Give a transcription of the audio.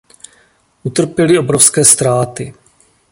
Utrpěli obrovské ztráty.